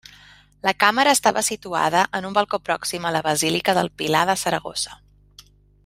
La càmera estava situada en un balcó pròxim a la Basílica del Pilar de Saragossa.